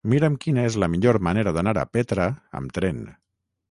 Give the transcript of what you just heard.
Mira'm quina és la millor manera d'anar a Petra amb tren.